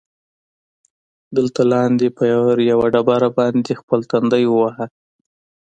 دلته لاندې، په یوه ډبره باندې خپل تندی ووهه.